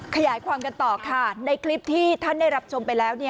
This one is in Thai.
ขยายความกันต่อค่ะในคลิปที่ท่านได้รับชมไปแล้ว